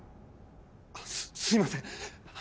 すすいません！